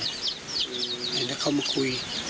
เห็นแล้วเข้ามาคุย